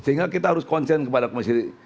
sehingga kita harus konsen kepada komisi